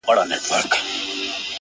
• زه او ته دواړه ښکاریان یو د عمرونو,